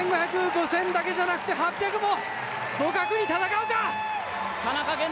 １５００、５０００だけじゃなくて、８００も互角に戦うか！